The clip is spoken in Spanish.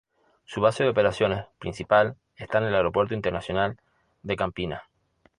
Su base de operaciones principal está en el Aeropuerto Internacional de Campinas.